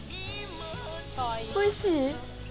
おいしい？